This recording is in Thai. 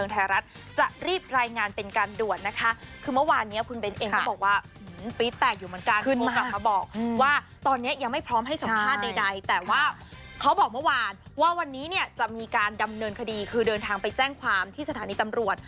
เค้าบอกเมื่อวานว่าวันนี้เนี่ยจะมีการดำเนินคดีคือเดินทางไปแจ้งความที่สถานีตำรวจ